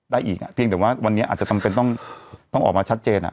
ได้อีกอ่ะเพียงแต่ว่าวันนี้อาจจะต้องเป็นต้องต้องออกมาชัดเจนอ่ะ